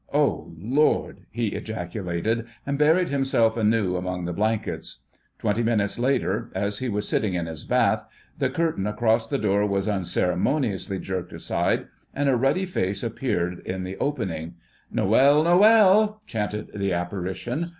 "Oh Lord!" he ejaculated, and buried himself anew among the blankets. Twenty minutes later, as he was sitting in his bath, the curtain across the door was unceremoniously jerked aside and a ruddy face appeared in the opening. "No o el l l! N o el!" chanted the apparition.